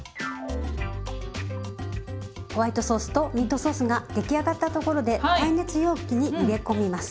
ホワイトソースとミートソースが出来上がったところで耐熱容器に入れ込みます。